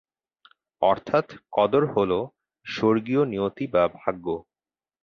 অর্থাৎ কদর হল স্বর্গীয় নিয়তি বা ভাগ্য।